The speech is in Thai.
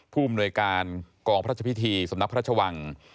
ผู้อำนวยการกองพระราชพิธีสำนักพระชวัง